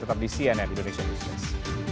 tetap di cnn indonesia newscast